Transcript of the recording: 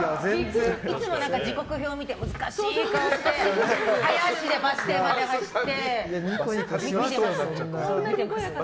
いつも時刻表見て難しい顔して早足でバス停まで走って。